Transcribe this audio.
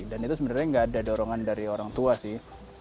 dan itu sebenarnya nggak ada dorongan dari orang tua sih